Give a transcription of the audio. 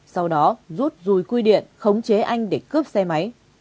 sau đó rút rùi quy điện khống chế anh để cướp xe máy